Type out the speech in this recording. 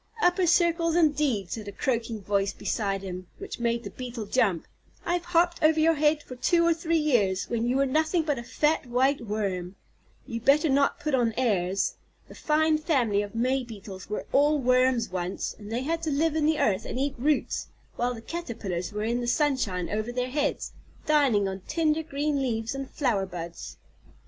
"Upper circles, indeed!" said a croaking voice beside him, which made the Beetle jump, "I have hopped over your head for two or three years, when you were nothing but a fat, white worm. You'd better not put on airs. The fine family of May Beetles were all worms once, and they had to live in the earth and eat roots, while the Caterpillars were in the sunshine over their heads, dining on tender green leaves and flower buds."